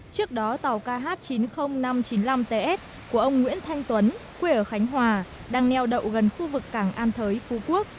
trước đó tàu kh chín mươi nghìn năm trăm chín mươi năm ts của ông nguyễn thanh tuấn quê ở khánh hòa đang neo đậu gần khu vực cảng an thới phú quốc